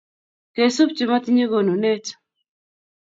kesup chematinye konunet